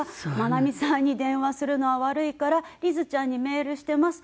「眞奈美さんに電話するのは悪いからリズちゃんにメールしてます」。